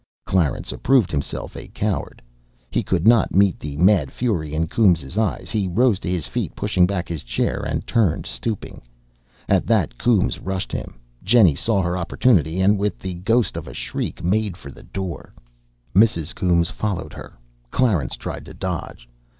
Clarence approved himself a coward. He could not meet the mad fury in Coombes' eyes; he rose to his feet, pushing back his chair, and turned, stooping. At that Coombes rushed at him. Jennie saw her opportunity, and, with the ghost of a shriek, made for the door. Mrs. Coombes followed her. Clarence tried to dodge.